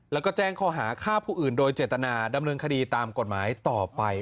แล้วก็แจ้งข้อหาฆ่าผู้อื่นโดยเจตนาดำเนินคดีตามกฎหมายต่อไป